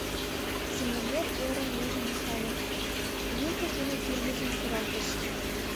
Землемер ӧрын вуйжым нӧлтале, вилкыж дене тӱрвыжым шуралтыш.